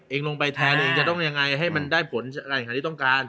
เองลงไปแทนเองจะต้องได้ยังไงให้มันได้ผลในสถานีต้องการ